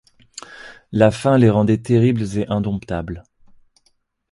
La faim les rendait terribles et indomptables.